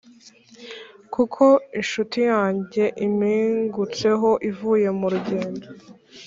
kuko inshuti yanjye impingutseho ivuye mu rugendo;